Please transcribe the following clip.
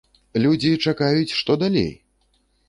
Людзі чакаюць, што далей?